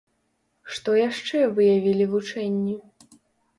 Што яшчэ выявілі вучэнні?